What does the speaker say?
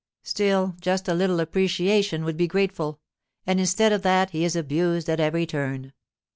Still, just a little appreciation would be grateful; and, instead of that, he is abused at every turn.